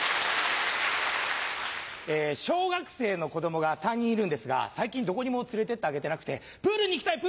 小学生の子供が３人いるんですが最近どこにも連れて行ってあげてなくてプールに行きたい！